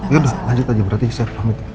ya udah lanjut aja berarti saya pamit